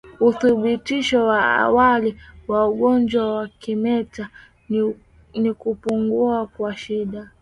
Uthibitisho wa awali wa ugonjwa wa kimeta ni kupumua kwa shida